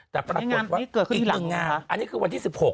แต่ปรากฏว่าอีกหนึ่งงานอันนี้คือวันที่๑๖